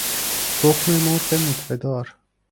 تخم مرغ نطفه دار